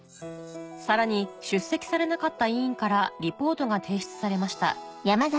さらに出席されなかった委員からリポートが提出されました